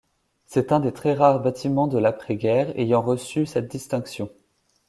C'est un des très rares bâtiments de l'après-guerre ayant reçu cette distinction.